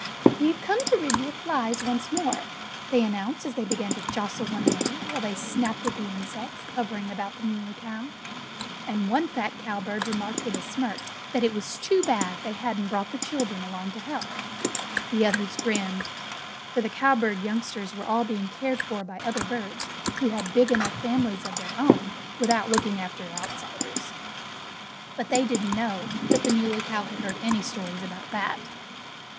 "We've come to rid you of flies once more," they announced as they began to jostle one another while they snapped at the insects hovering about the Muley Cow. And one fat cowbird remarked with a smirk that it was too bad they hadn't brought the children along to help. The others grinned; for the cowbird youngsters were all being cared for by other birds who had big enough families of their own without looking after outsiders. But they didn't know that the Muley Cow had heard any stories about that.